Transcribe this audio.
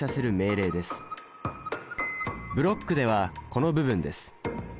ブロックではこの部分です。